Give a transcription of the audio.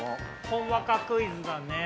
ほんわかクイズだね。